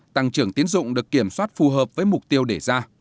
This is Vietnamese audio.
tăng trưởng tiến dụng được kiểm soát phù hợp với mục tiêu để ra